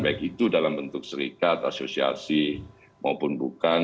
baik itu dalam bentuk serikat asosiasi maupun bukan